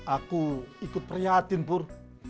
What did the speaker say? aku ikut perhatian pur